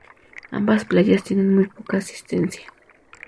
Ambas playas tienen muy poca asistencia.